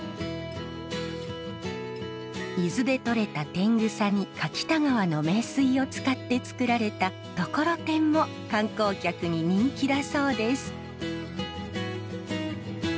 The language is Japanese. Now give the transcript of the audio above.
伊豆で採れた天草に柿田川の名水を使って作られたところてんも観光客に人気だそうです。